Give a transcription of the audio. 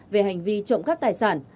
về hành vi trồng cấp tài sản